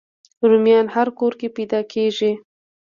رومیان هر کور کې پیدا کېږي